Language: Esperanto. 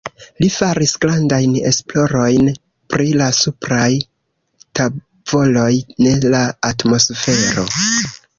Li faris grandajn esplorojn pri la supraj tavoloj de la atmosfero.